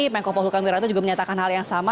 menko polkul kamil ratu juga menyatakan hal yang sama